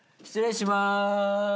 失礼します。